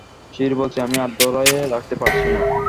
Sure বলছি, আমি আর ধরে রাখতে পারছি না।